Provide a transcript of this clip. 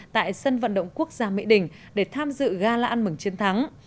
tại sân vận động quốc gia mỹ đình để tham dự gala ăn mừng chiến thắng